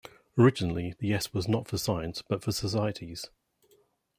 Originally the 'S' was not for science but for Societies.